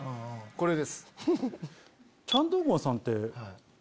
これです。